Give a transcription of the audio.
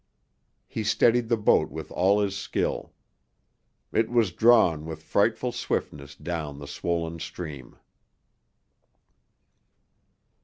He steadied the boat with all his skill. It was drawn with frightful swiftness down the swollen stream.